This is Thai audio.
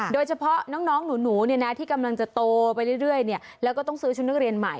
โดยเฉพาะน้องหนูที่กำลังจะโตไปเรื่อยแล้วก็ต้องซื้อชุดนักเรียนใหม่